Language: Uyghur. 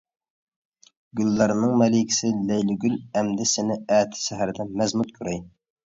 گۈللەرنىڭ مەلىكىسى لەيلىگۈل، ئەمدى سېنى ئەتە سەھەردە مەزمۇت كۆرەي.